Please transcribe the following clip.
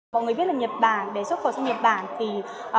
mọi người biết là nhật bản để xuất khẩu sang nhật bản thì về tất cả giấy tờ